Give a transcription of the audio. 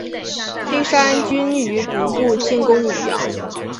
黑山军于毒部进攻武阳。